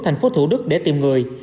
tp thủ đức để tìm người